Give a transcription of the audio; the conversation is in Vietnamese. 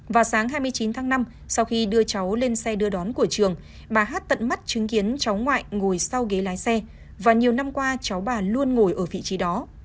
vào sáng hai mươi chín tháng năm sau khi đưa cháu lên xe đưa đón của trường bà hát tận mắt chứng kiến cháu ngoại ngồi sau ghế lái xe và nhiều năm qua cháu bà luôn ngồi ở vị trí đó